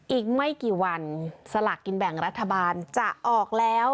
อีกไม่กี่วันสลากกินแบ่งรัฐบาลจะออกแล้ว